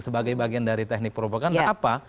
sebagai bagian dari teknik propaganda apa